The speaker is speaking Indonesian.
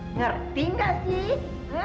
ngerti gak sih